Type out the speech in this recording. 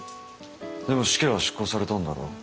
でも死刑は執行されたんだろ？